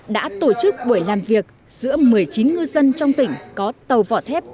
đã tổ chức buổi làm việc giữa một mươi chín ngư dân trong tỉnh có tàu vỏ thép